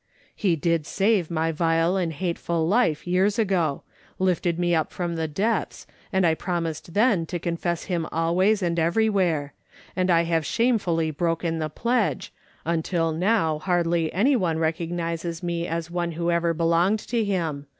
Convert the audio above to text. " He did save my vile and hateful life years ago ; lifted me up from the depths, and I promised then to confess him always and every where ; and I have shamefully broken the pledge, until now hardly anyone recognises me as one who ever belonged to him.